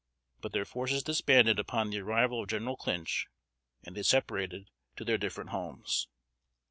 But their forces disbanded upon the arrival of General Clinch, and they separated to their different homes.